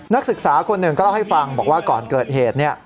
นักศึกษาคนหนึ่งก็เล่าให้ฟังบอกว่าก่อนเกิดเหตุ